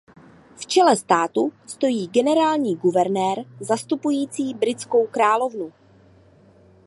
V čele státu stojí generální guvernér zastupující britskou královnu.